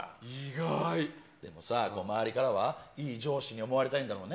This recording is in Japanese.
でもさ、周りからはいい上司に思われたいんだろうね。